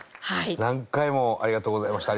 何回も「ありがとうございました」